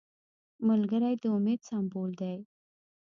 ملګری د امید سمبول دی